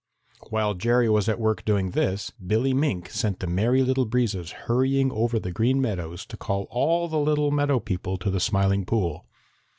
While Jerry was at work doing this, Billy Mink sent the Merry Little Breezes hurrying over the Green Meadows to call all the little meadow people to the Smiling Pool.